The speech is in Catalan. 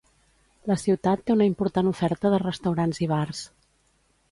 La ciutat té una important oferta de restaurants i bars.